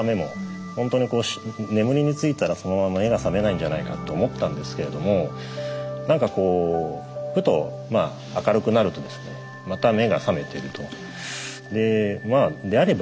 ほんとに眠りについたらそのまま目が覚めないんじゃないかって思ったんですけれどもなんかこうふと明るくなるとですねまた目が覚めていると。